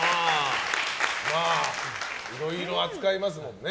いろいろ扱いますもんね。